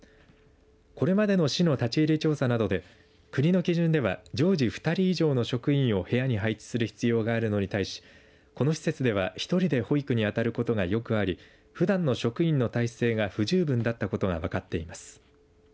これまでの市の立ち入り調査などで国の基準では常時２人以上の職員を部屋に配置する必要があるのに対しこの施設では１人で保育に当たることがよくありふだんの職員の体制が不十分だったことが分かっています。